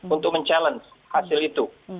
untuk mencabar hasil itu